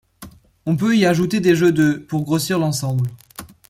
On peut y ajouter des jeux de pour grossir l'ensemble.